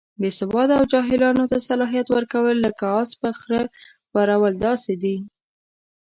بې سواده او جاهلانو ته صلاحیت ورکول، لکه اس په خره بارول داسې دي.